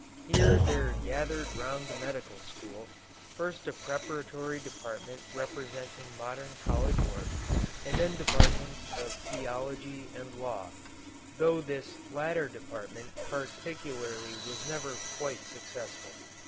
Here there gathered round the medical school, first a preparatory department representing modern college work, and then departments of theology and law, though this latter department particularly was never quite successful.